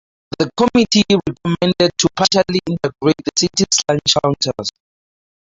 The committee recommended to partially integrate the city's lunch counters.